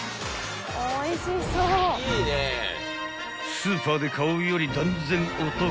［スーパーで買うより断然お得］